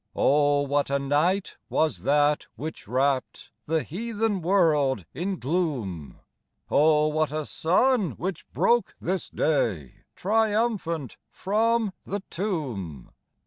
Oh, what a night was that which wrapped The heathen world in gloom ! Oh, what a sun which broke this day Triumphant from the tomb